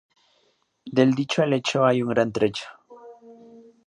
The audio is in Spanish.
Del dicho al hecho hay un gran trecho